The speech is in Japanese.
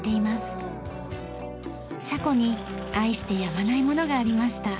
車庫に愛してやまないものがありました。